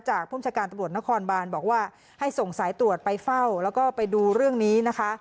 ผู้บัญชาการตำรวจนครบานบอกว่าให้ส่งสายตรวจไปเฝ้าแล้วก็ไปดูเรื่องนี้นะคะ